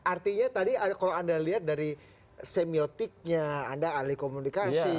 artinya tadi kalau anda lihat dari semiotiknya anda ahli komunikasi